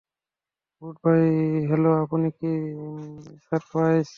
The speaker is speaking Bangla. গুডবাই হেলো আপনি কি সারা প্রাইস?